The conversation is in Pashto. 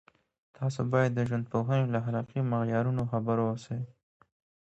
تاسو باید د ژوندپوهنې له اخلاقي معیارونو خبر اوسئ.